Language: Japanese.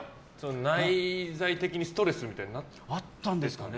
内在的にストレスみたいなのがあったんですかね。